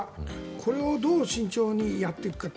これをどう慎重にやっていくか